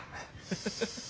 フフフフッ。